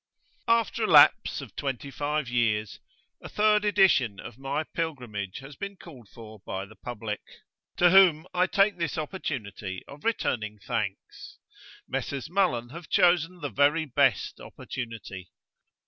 AFTER a lapse of twenty five years, a third edition of my Pilgrimage has been called for by the public, to whom I take this opportunity of returning thanks. Messrs. Mullan have chosen the very best opportunity.